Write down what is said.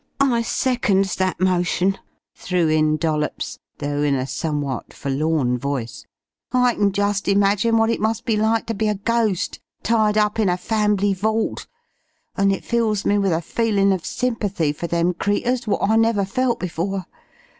"I seconds that motion," threw in Dollops, though in a somewhat forlorn voice. "I kin just imagine what it must be like to be a ghost tied up in a fambly vault, an' it fills me with a feelin' of sympathy for them creeturs wot I never felt before.